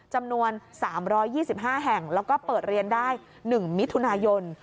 จำนวน๓๒๕แห่งแล้วก็เปิดเรียนได้๑มิถุนายน